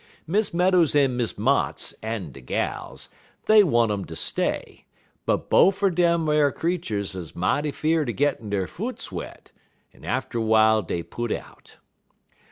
Miss Meadows en Miss Motts, en de gals, dey want um ter stay, but bofe er dem ar creeturs 'uz mighty fear'd er gittin' der foots wet, en atter w'ile dey put out.